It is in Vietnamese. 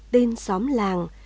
tên xóm làng